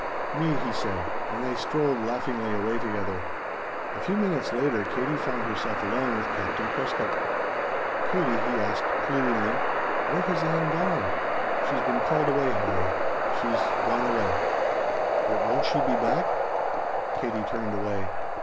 "Me," he said, and they strolled laughingly away together. A few minutes later Katie found herself alone with Captain Prescott. "Katie," he asked pleadingly, "where has Ann gone?" "She's been called away, Harry. She's gone away." "But won't she be back?" Katie turned away.